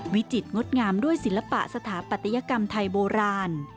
วิจิตรงดงามด้วยศิลปะสถาปัตยกรรมไทยโบราณ